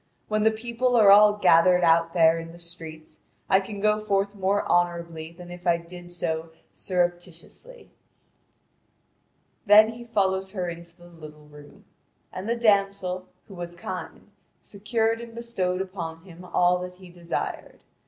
When the people are all gathered out there in the streets, I can go forth more honourably than if I did so surreptitiously." Then he followed her into the little room. The damsel, who was kind, secured and bestowed upon him all that he desired.